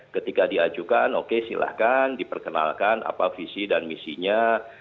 ketika diajukan oke silahkan diperkenalkan apa visi dan misinya